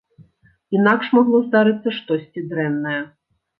Інакш магло здарыцца штосьці дрэннае.